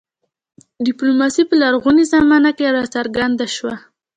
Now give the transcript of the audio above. ډیپلوماسي په لرغونې زمانه کې راڅرګنده شوه